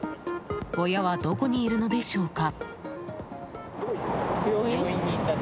親はどこにいるのでしょうか？